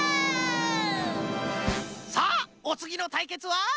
さあおつぎのたいけつは？